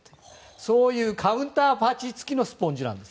そういうカウンターパンチ付きのスポンジなんです。